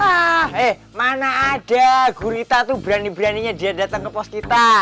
wah eh mana ada gurita itu berani beraninya dia datang ke pos kita